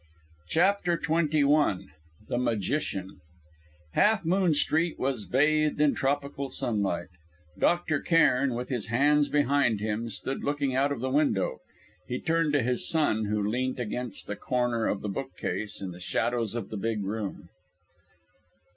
CHAPTER XXI THE MAGICIAN Half Moon Street was bathed in tropical sunlight. Dr. Cairn, with his hands behind him, stood looking out of the window. He turned to his son, who leant against a corner of the bookcase in the shadows of the big room.